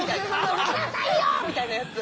「どきなさいよ！」みたいなやつ。